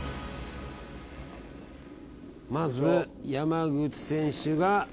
まず山口選手が。